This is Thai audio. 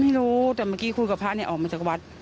ไม่รู้แต่เมื่อกี้คุยกับพระเนี่ยออกมาจากวัด